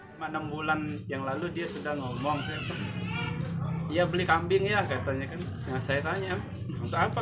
hai menemukan yang lalu dia sudah ngomong ya beli kambing ya katanya saya tanya apa